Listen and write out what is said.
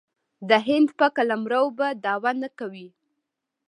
د هند په قلمرو به دعوه نه کوي.